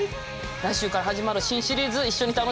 来週から始まる新シリーズ一緒に楽しみましょう。